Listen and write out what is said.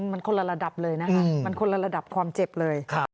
มันคนละระดับเลยนะคะมันคนละระดับความเจ็บเลย